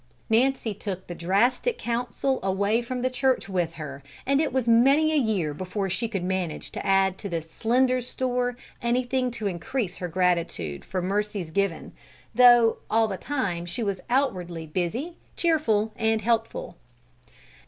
Nancy took the drastic counsel away from the church with her, and it was many a year before she could manage to add to this slender store anything to increase her gratitude for mercies given, though all the time she was outwardly busy, cheerful, and helpful.